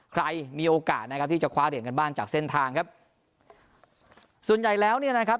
ใครมีโอกาสนะครับที่จะคว้าเหรียญกันบ้างจากเส้นทางครับส่วนใหญ่แล้วเนี่ยนะครับ